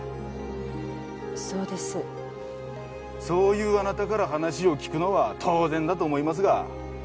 そういうあなたから話を聞くのは当然だと思いますが。